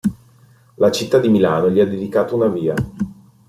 La città di Milano gli ha dedicato una via.